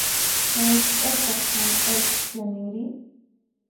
Hayk'ataq hank'aykiq chaninri?